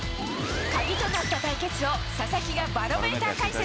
鍵となった対決を、佐々木がバロメーター解説。